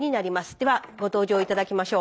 ではご登場頂きましょう。